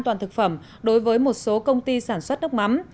an toàn thực phẩm đối với một số công ty sản xuất nước mắm